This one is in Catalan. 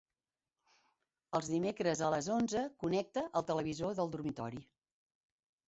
Els dimecres a les onze connecta el televisor del dormitori.